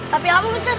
tapi apa mister